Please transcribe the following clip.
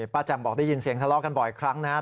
แจ่มบอกได้ยินเสียงทะเลาะกันบ่อยครั้งนะครับ